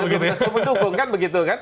saya belum tentu mendukung kan begitu kan